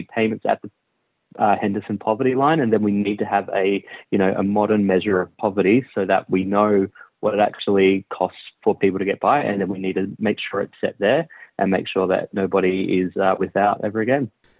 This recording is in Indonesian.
dan kita harus pastikan bahwa hal itu terdiri di sana dan pastikan bahwa tidak ada orang yang tidak akan mencoba lagi